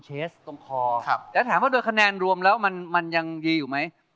เชสตรงคอแล้วถามว่าโดยคะแนนรวมแล้วมันยังดีอยู่ไหม